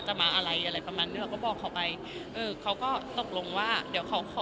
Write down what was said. มาอะไรอะไรประมาณนี้เขาก็บอกเขาไปเออเขาก็ตกลงว่าเดี๋ยวเขาขอ